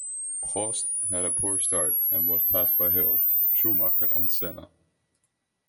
Prost had a poor start and was passed by Hill, Schumacher and Senna.